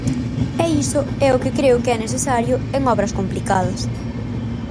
E iso é o que creo que é necesario en obras complicadas.